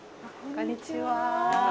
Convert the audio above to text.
こんにちは。